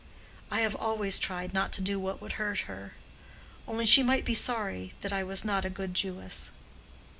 I have always tried not to do what would hurt her. Only, she might be sorry that I was not a good Jewess."